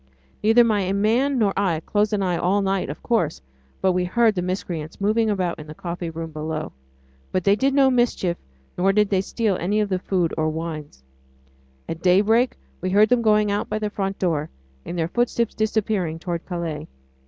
Neither my man nor I closed an eye all night, of course, but we heard the miscreants moving about in the coffee room below. But they did no mischief, nor did they steal any of the food or wines. At daybreak we heard them going out by the front door, and their footsteps disappearing toward Calais.